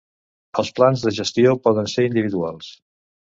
Els plans de gestió poden ser individuals.